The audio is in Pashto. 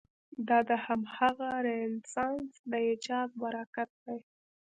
دا د همغه رنسانس د ایجاد براکت دی.